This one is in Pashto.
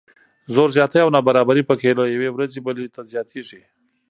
زور زیاتی او نابرابري پکې له یوې ورځې بلې ته زیاتیږي.